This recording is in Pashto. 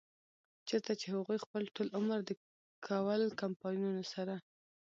چرته چې هغوي خپل ټول عمر د کول کمپنيانو سره